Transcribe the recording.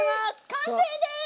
完成です！